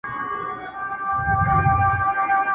چي د ظلم او استبداد څخه یې ..